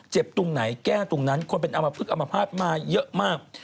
ตรงไหนแก้ตรงนั้นคนเป็นอมพลึกอมภาษณ์มาเยอะมาก